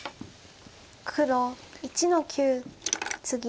黒１の九ツギ。